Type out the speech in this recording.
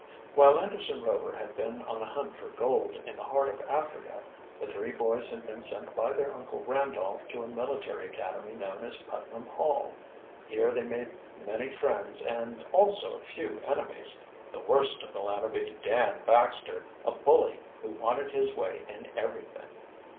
While Anderson Rover had been on a hunt for gold in the heart of Africa, the three boys had been sent by their Uncle Randolph to a military academy known as Putnam Hall. Here they made many friends and also a few enemies, the worst of the latter being Dan Baxter, a bully who wanted his way in everything.